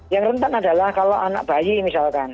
yang rentan adalah kalau anak bayi misalkan